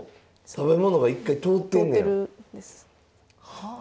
はあ！